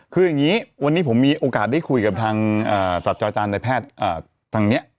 คืออย่างนี้วันนี้ผมมีโอกาสได้คุยกับทางสัตว์อาจารย์ในแพทย์ทางนี้